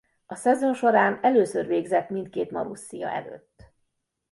A szezon során először végzett mindkét Marussia előtt.